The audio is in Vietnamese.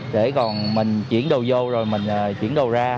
để còn mình chuyển đồ vô rồi mình chuyển đồ ra